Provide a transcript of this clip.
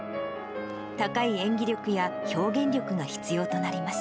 高い演技力や表現力が必要となります。